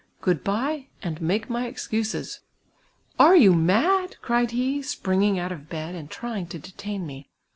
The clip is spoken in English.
Good bye, and make my excuses!" "Arc you mad?" cried he, 6pinn:inf>: out of bed and tryinp^ to detain me.